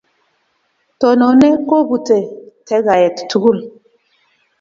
Tononet kobute tekgaet tugul